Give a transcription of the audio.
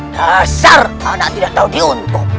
dasar anak tidak tahu diuntung